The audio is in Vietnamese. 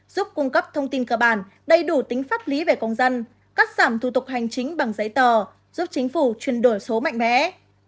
giúp cung cấp thông tin cơ bản đầy đủ tính pháp lý về công dân cắt giảm thủ tục hành chính bằng giấy tờ giúp chính phủ chuyển đổi số mạnh mẽ